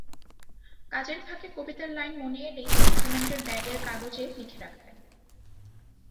কাজের ফাঁকে কবিতার লাইন মনে এলেই সিমেন্টের ব্যাগের কাগজে লিখে রাখতেন।